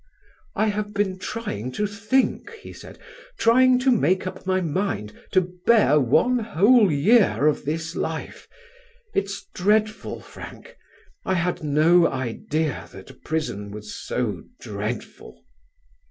"I have been trying to think," he said, "trying to make up my mind to bear one whole year of this life. It's dreadful, Frank, I had no idea that prison was so dreadful."